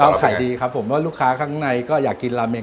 ขายดีครับผมว่าลูกค้าข้างในก็อยากกินลาเมน